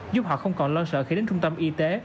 giúp họ không còn lo sợ khi đến trung tâm y tế